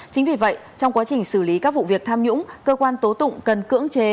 chính vì vậy trong quá trình xử lý các vụ việc tham nhũng cơ quan tố tụng cần cưỡng chế